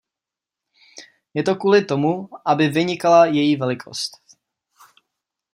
Je to kvůli tomu, aby vynikala její velikost.